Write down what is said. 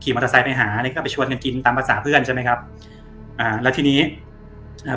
มอเตอร์ไซค์ไปหาอะไรก็ไปชวนกันกินตามภาษาเพื่อนใช่ไหมครับอ่าแล้วทีนี้อ่า